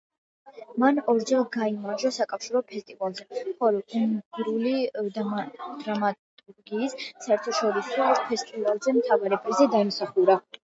მან ორჯერ გაიმარჯვა საკავშირო ფესტივალზე, ხოლო უნგრული დრამატურგიის საერთაშორისო ფესტივალზე მთავარი პრიზი დაიმსახურა.